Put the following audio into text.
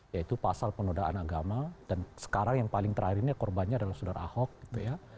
yaitu pasal penodaan agama dan sekarang yang paling terakhir ini korbannya adalah saudara ahok gitu ya